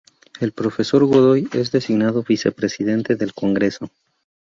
El profesor Godoy es designado Vicepresidente del Congreso.